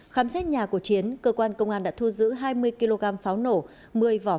khám xét nhà của chiến cơ quan công an đã thông báo